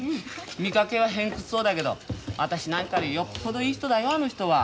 見かけは偏屈そうだけど私なんかよりよっぽどいい人だよあの人は。